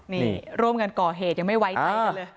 นี่ร่วมกันก่อเหตุยังไม่ไว้ใจกันเลย